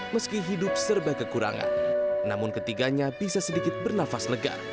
meski hidup serba kekurangan namun ketiganya bisa sedikit bernafas lega